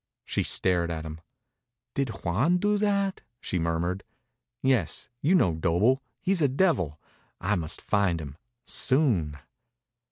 She stared at him. "Did Juan do that?" she murmured. "Yes. You know Doble. He's a devil. I must find him ... soon."